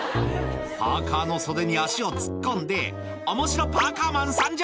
「パーカの袖に足を突っ込んで面白パーカマン参上！」